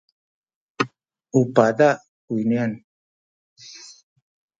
u paza’ kuyni.